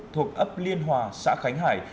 thuộc ấp liên hòa xã khánh hải